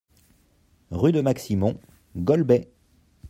Rue de Maximont, Golbey